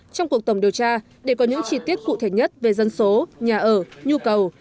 trong cuộc tổng điều tra để có những chi tiết cụ thể nhất về dân số nhà ở nhu cầu